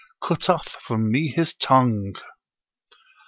Cut off from me his tongue!'"